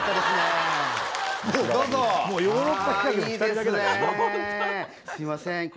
すいません